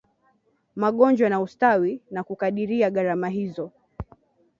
magonjwa na ustawi na kukadiria gharama hizo